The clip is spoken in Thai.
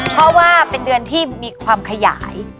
เพราะว่าเป็นเดือนที่มีความขยาย